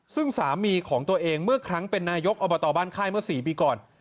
ซึ่งสามีของตัวเองเมื่อครั้งเป็นนายกอบตบ้านค่ายเมื่อ๔ปีก่อน